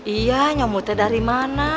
iya nyomotnya dari mana